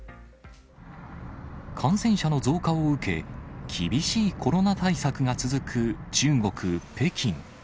感染者の増加を受け、厳しいコロナ対策が続く中国・北京。